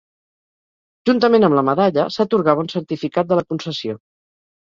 Juntament amb la medalla, s'atorgava un certificat de la concessió.